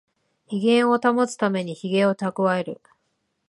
威厳を保つためにヒゲをたくわえる